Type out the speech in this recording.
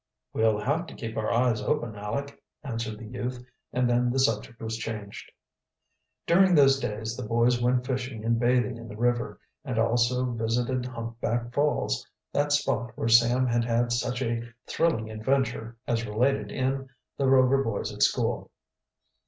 "We'll have to keep our eyes open, Aleck," answered the youth; and then the subject was changed. During those days the boys went fishing and bathing in the river, and also visited Humpback Falls, that spot where Sam had had such a thrilling adventure, as related in "The Rover Boys at School."